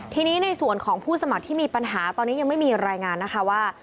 ทีนี้ในส่วนของผู้สมัครที่มีปัญหาตอนนี้ยังไม่มีรายงานนะคะว่า